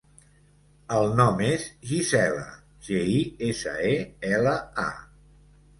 El nom és Gisela: ge, i, essa, e, ela, a.